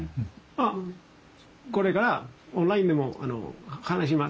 あっこれからオンラインでも話します。